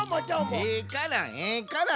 ええからええから。